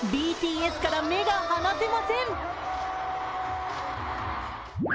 ＢＴＳから目が離せません。